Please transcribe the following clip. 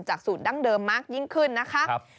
สูตรดั้งเดิมมากยิ่งขึ้นนะคะ